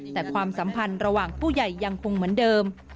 แต่ความสัมพันธ์ระหว่างผู้ใหญ่ยังคงเหมือนเดิม